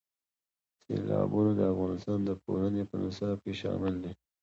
سیلابونه د افغانستان د پوهنې په نصاب کې شامل دي.